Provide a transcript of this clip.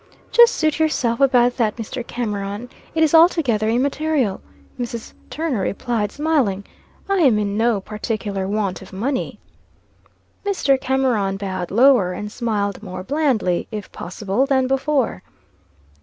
"Just suit yourself about that, Mr. Cameron. It is altogether immaterial," Mrs. Turner replied, smiling. "I am in no particular want of money." Mr. Cameron bowed lower, and smiled more blandly, if possible, than before.